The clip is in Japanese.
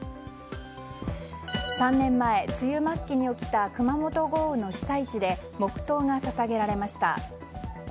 ３年前、梅雨末期に起きた熊本豪雨の被災地で黙祷が捧げられました。